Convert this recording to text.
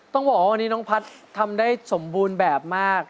ต้องบอกว่าวันนี้น้องพัฒน์ทำได้สมบูรณ์แบบมาก